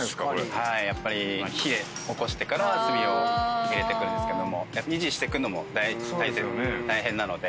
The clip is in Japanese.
やっぱり火で起こしてから炭を入れてくんですけども維持してくのも大変なので。